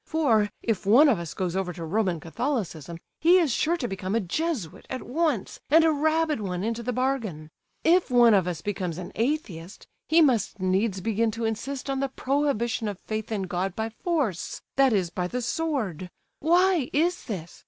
For, if one of us goes over to Roman Catholicism, he is sure to become a Jesuit at once, and a rabid one into the bargain. If one of us becomes an Atheist, he must needs begin to insist on the prohibition of faith in God by force, that is, by the sword. Why is this?